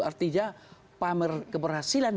artinya pamer keberhasilan